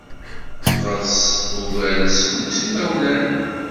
Ɣer-s ugar n semmus n yimawalen.